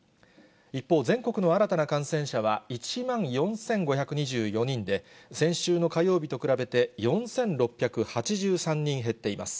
一方、全国の新たな感染者は１万４５２４人で、先週の火曜日と比べて４６８３人減っています。